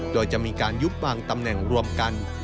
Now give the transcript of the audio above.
โดยจะมีการยุบบางตำแหน่งรวมกัน